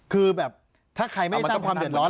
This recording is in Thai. คือแบบถ้าใครไม่สร้างความเดือดร้อน